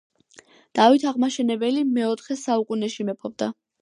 დავით აღმაშენებელი მეოთხე საუკუნეში მეფობდა